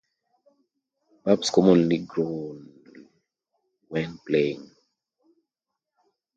Pups commonly growl when playing.